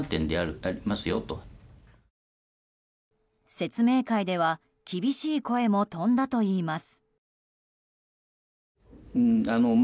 説明会では厳しい声も飛んだといいます。